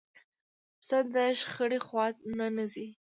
پسه د شخړې خوا نه ځي.